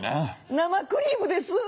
生クリームです！